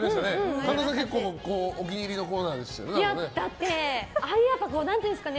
神田さん、結構お気に入りのコーナーでしたね。